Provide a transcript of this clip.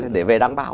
để về đăng báo